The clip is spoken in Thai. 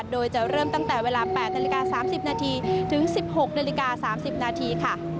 โดยจะเริ่มตั้งแต่เวลา๘นาฬิกา๓๐นาทีถึง๑๖นาฬิกา๓๐นาทีค่ะ